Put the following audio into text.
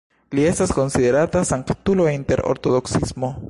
Li estas konsiderata sanktulo inter Ortodoksismo.